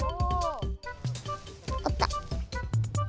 あった。